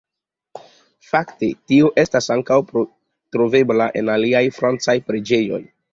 Fakte tio estas ankaŭ trovebla en aliaj francaj preĝejoj.